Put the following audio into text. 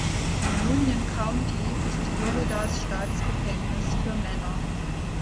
In Union County ist Floridas Staatsgefängnis für Männer.